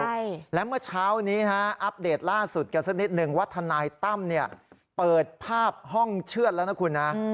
ใช่และเมื่อเช้านี้นะฮะอัปเดตล่าสุดกันสักนิดนึงว่าทนายตั้มเนี่ยเปิดภาพห้องเชื่อดแล้วนะคุณนะ